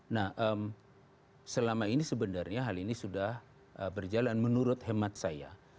nah selama ini sebenarnya hal ini sudah berjalan menurut hemat saya